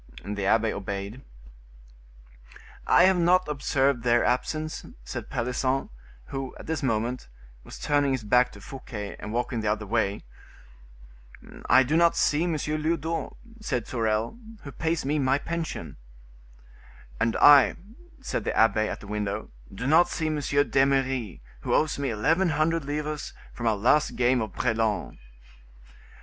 The abbe obeyed. "I have not observed their absence," said Pelisson, who, at this moment, was turning his back to Fouquet, and walking the other way. "I do not see M. Lyodot," said Sorel, "who pays me my pension." "And I," said the abbe, at the window, "do not see M. d'Eymeris, who owes me eleven hundred livres from our last game of brelan."